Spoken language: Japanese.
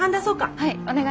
はい。